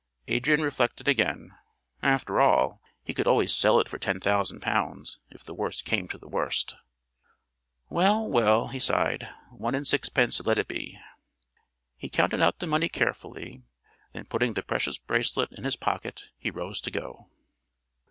Adrian reflected again. After all, he could always sell it for ten thousand pounds, if the worst came to the worst. "Well, well," he sighed, "one and sixpence let it be." He counted out the money carefully. Then putting the precious bracelet in his pocket he rose to go.